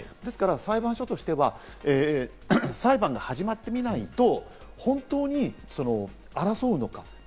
裁判所としては、裁判が始まってみないと、本当に争うのか？